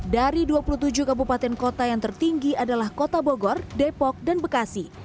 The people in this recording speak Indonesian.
dari dua puluh tujuh kabupaten kota yang tertinggi adalah kota bogor depok dan bekasi